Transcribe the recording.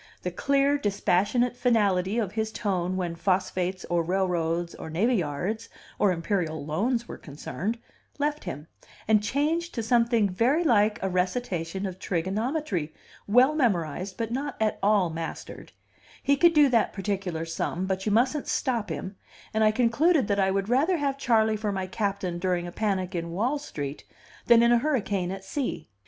The clear, dispassionate finality of his tone when phosphates, or railroads, or navy yards, or imperial loans were concerned, left him, and changed to something very like a recitation of trigonometry well memorized but not at all mastered; he could do that particular sum, but you mustn't stop him; and I concluded that I would rather have Charley for my captain during a panic in Wall Street than in a hurricane at sea.